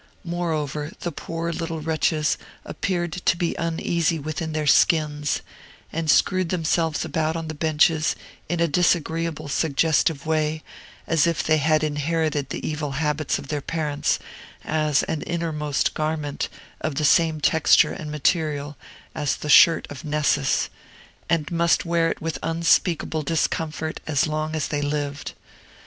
Moreover, the poor little wretches appeared to be uneasy within their skins, and screwed themselves about on the benches in a disagreeably suggestive way, as if they had inherited the evil habits of their parents as an innermost garment of the same texture and material as the shirt of Nessus, and must wear it with unspeakable discomfort as long as they lived.